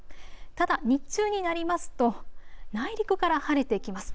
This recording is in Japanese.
ただ日中になりますと内陸から晴れてきます。